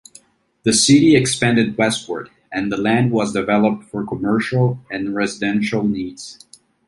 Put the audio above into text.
The city expanded westward, and the land was developed for commercial and residential needs.